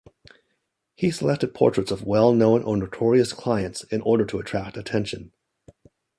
He selected portraits of well-known or notorious clients in order to attract attention.